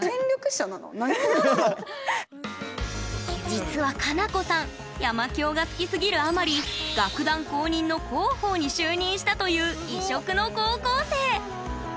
実は、奏子さん山響が好きすぎるあまり楽団公認の広報に就任したという異色の高校生。